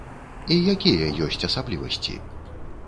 І якія ёсць асаблівасці?